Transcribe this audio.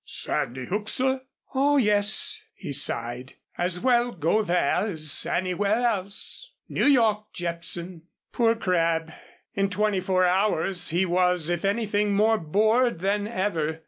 "Sandy Hook, sir?" "Oh, yes," he sighed, "as well go there as anywhere else. New York, Jepson." Poor Crabb! In twenty four hours he was, if anything, more bored than ever.